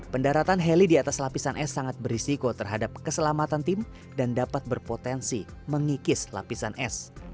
pendaratan heli di atas lapisan es sangat berisiko terhadap keselamatan tim dan dapat berpotensi mengikis lapisan es